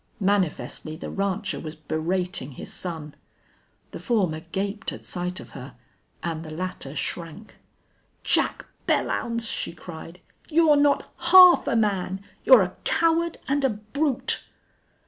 Manifestly the rancher was berating his son. The former gaped at sight of her and the latter shrank. "Jack Belllounds," she cried, "you're not half a man.... You're a coward and a brute!"